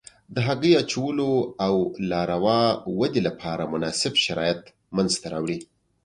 د هګۍ اچولو او لاروا ودې لپاره مناسب شرایط منځته راوړي.